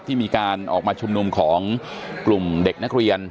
ที่มีการออกมาชุมนุมของกลุ่มเด็กนักเรียน